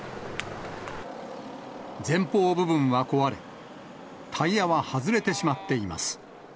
前方部分は壊れ、タイヤは外れてしまっています。